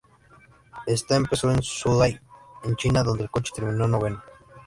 Ésta empezó en Zhuhai en China, donde el coche terminó noveno.